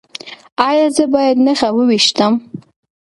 ایا زه باید نښه وویشتم؟